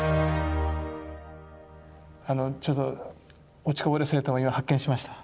あのちょっと落ちこぼれ生徒が今発見しました。